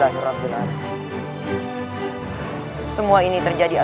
hidup di luar istana